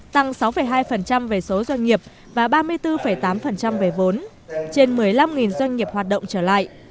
tăng sáu hai về số doanh nghiệp và ba mươi bốn tám về vốn trên một mươi năm doanh nghiệp hoạt động trở lại